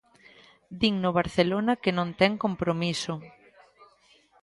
Din no Barcelona que non ten compromiso.